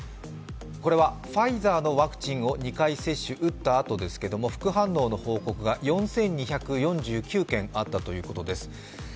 これはファイザ−のワクチンを２回打ったあとですけど、副反応の報告が４２４９件あったということです。